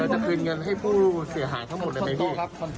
จะคืนเงินให้ผู้เสียหายทั้งหมดเลยไหมพี่